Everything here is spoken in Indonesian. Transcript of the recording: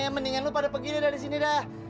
mendingan lo pada pergi deh dari sini dah